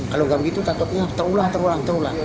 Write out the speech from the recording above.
kalau tidak begitu takutnya terulang terulang terulang